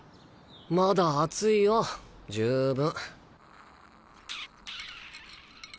まだ暑いよ十分。